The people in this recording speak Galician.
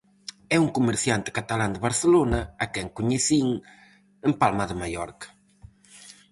É un comerciante catalán de Barcelona, a quen coñecín en Palma de Mallorca.